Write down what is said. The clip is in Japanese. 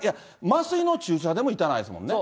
麻酔の注射でも痛ないですもんね。